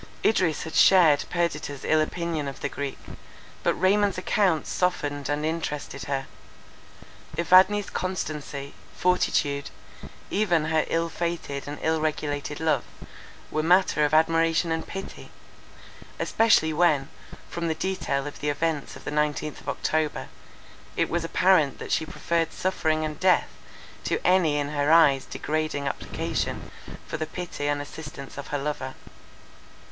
Idris had shared Perdita's ill opinion of the Greek; but Raymond's account softened and interested her. Evadne's constancy, fortitude, even her ill fated and ill regulated love, were matter of admiration and pity; especially when, from the detail of the events of the nineteenth of October, it was apparent that she preferred suffering and death to any in her eyes degrading application for the pity and assistance of her lover.